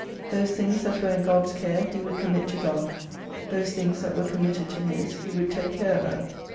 Those things that were in God's care he would commit to God, those things that were committed to his, he would take care about.